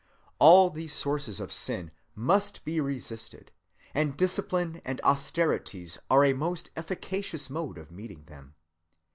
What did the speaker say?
All these sources of sin must be resisted; and discipline and austerities are a most efficacious mode of meeting them.